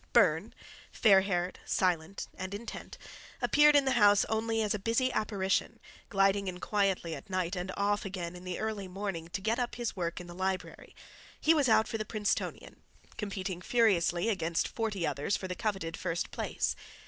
Burne, fair haired, silent, and intent, appeared in the house only as a busy apparition, gliding in quietly at night and off again in the early morning to get up his work in the library—he was out for the Princetonian, competing furiously against forty others for the coveted first place.